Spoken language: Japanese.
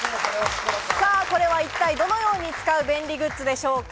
これは一体どのように使う便利グッズでしょうか？